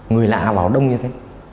người lạ vào đông như thế